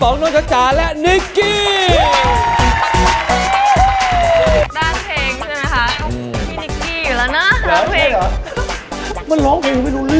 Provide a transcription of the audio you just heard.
เอ้าเขาไม่ได้เป็นนักร้องเหรอฮะ